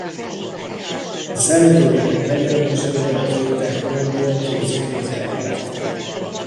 A számítógépek megjelenésével a két technológia kéz a kézben járt.